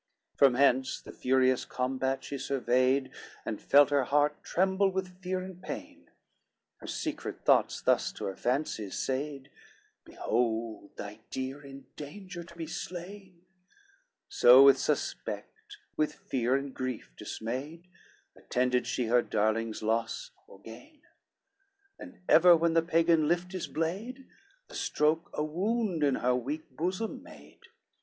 LXIII From hence the furious combat she surveyed, And felt her heart tremble with fear and pain, Her secret thoughts thus to her fancy said, Behold thy dear in danger to be slain; So with suspect, with fear and grief dismayed, Attended she her darling's loss or gain, And ever when the Pagan lift his blade, The stroke a wound in her weak bosom made.